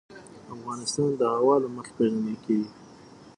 افغانستان د هوا له مخې پېژندل کېږي.